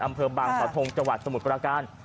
อำเภอบางสาวทงจังหวัดสมุทรปราการ